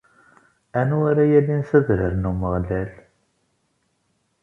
Anwa ara yalin s adrar n Umeɣlal?